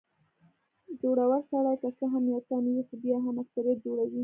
زړور سړی که څه هم یو تن وي خو بیا هم اکثريت جوړوي.